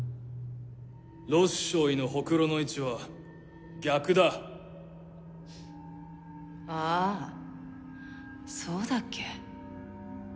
ロス少尉のほくろの位置は逆だああそうだっけ？